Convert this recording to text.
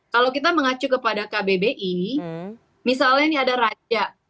kalau kita mengacu kepada kbbi misalnya ini ada raja